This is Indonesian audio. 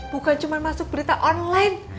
bukan cuma masuk berita online